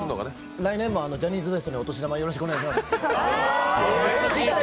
来年もジャニーズＷＥＳＴにお年玉よろしくお願いします。